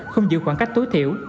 không giữ khoảng cách tối thiểu